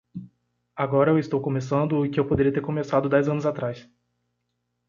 Agora eu estou começando o que eu poderia ter começado dez anos atrás.